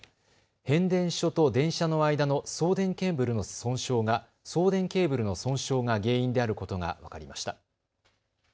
変電所と電車の間の送電ケーブルの損傷が原因であることが分かりました。